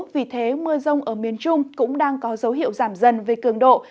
vì thế mưa rông ở miền trung cũng đang có dấu hiệu giảm dần về cường độ